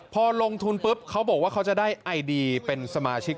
พอลงทุนปุ๊บเขาบอกว่าเขาจะได้ไอดีเป็นสมาชิก